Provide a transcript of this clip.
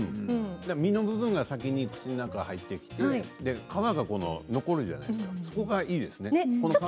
実の部分が先に口の中に入って皮が残るじゃないですかそこがいいですね。